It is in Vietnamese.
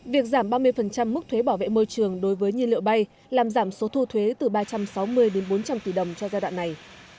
việc giảm ba mươi mức thuế bảo vệ môi trường đối với nhiên liệu bay làm giảm số thu thuế từ ba trăm sáu mươi đến bốn trăm linh tỷ đồng cho giai đoạn này